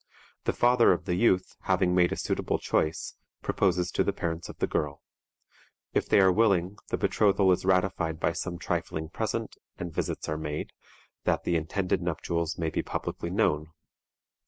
The father of the youth, having made a suitable choice, proposes to the parents of the girl. If they are willing, the betrothal is ratified by some trifling present, and visits are made, that the intended nuptials may be publicly known.